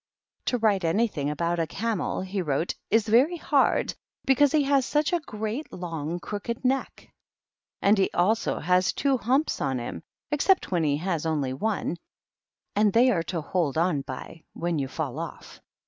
" To write anything about a Camely^ he wrote, "t8 very hardy because he has such a great long crooked neck. And he also has two humps on him, except when he has only one; and they are .to hold on by, when you fall off.